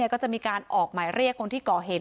ก็จะมีการออกหมายเรียกคนที่ก่อเหตุ